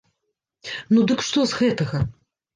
Ну, дык што з гэтага?